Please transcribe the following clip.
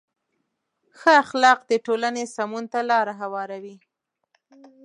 ښه اخلاق د ټولنې سمون ته لاره هواروي.